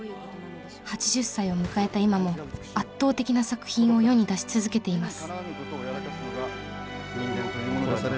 ８０歳を迎えた今も圧倒的な作品を世に出し続けています。